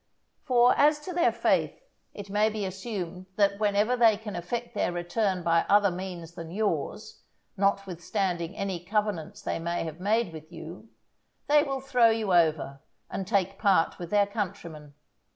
For as to their faith, it may be assumed that whenever they can effect their return by other means than yours, notwithstanding any covenants they may have made with you, they will throw you over, and take part with their countrymen.